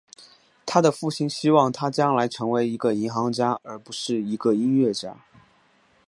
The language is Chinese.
他的父亲希望他将来成为一个银行家而不是一个音乐家。